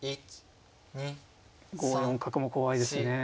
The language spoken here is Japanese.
５四角も怖いですね。